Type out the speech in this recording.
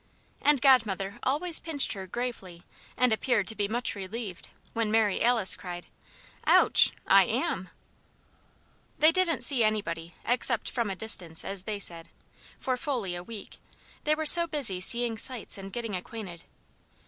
And Godmother always pinched her, gravely, and appeared to be much relieved when Mary Alice cried "Ouch! I am!" They didn't see anybody, except "from a distance" as they said, for fully a week; they were so busy seeing sights and getting acquainted.